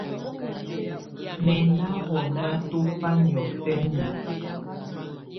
Mɛ̀ nà hɔnyɔ̀á tɔ̀fa nyɔ̀fɛna.